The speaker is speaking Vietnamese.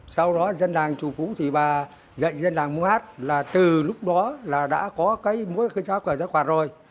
sau đó dân làng chủ phú thì bà dạy dân làng múa hát là từ lúc đó là đã có cái múa giáo cờ giáo quạt rồi